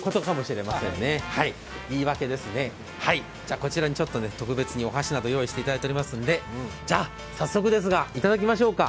こちらに特別にお箸など用意していただいてますんで早速ですが、いただきましょうか。